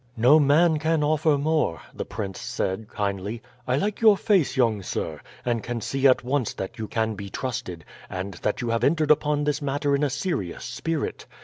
"No man can offer more," the prince said kindly. "I like your face, young sir, and can see at once that you can be trusted, and that you have entered upon this matter in a serious spirit.